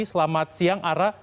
selamat siang ara